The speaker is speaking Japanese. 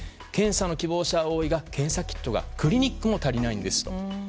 検査の希望者は多いが、検査キットがクリニックも足りないんですと。